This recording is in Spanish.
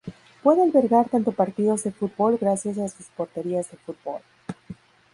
Puede albergar tanto partidos de fútbol gracias a sus porterías de fútbol.